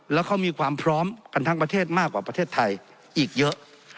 แล้วเขามีความพร้อมกันทั้งประเทศมากกว่าประเทศไทยอีกเยอะ